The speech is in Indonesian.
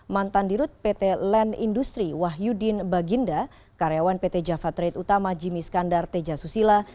mantan dirut pt land industri wahyudin baginda karyawan pt java trade utama jimmy skandar teja susila